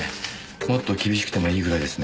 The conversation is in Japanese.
もっと厳しくてもいいぐらいですね。